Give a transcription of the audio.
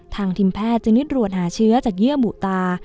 ทีมแพทย์จึงนิดรวดหาเชื้อจากเยื่อบุตา